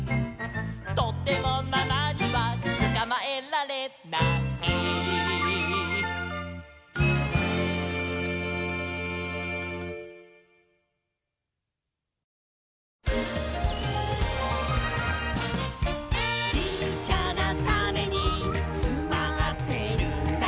「とてもママにはつかまえられない」「ちっちゃなタネにつまってるんだ」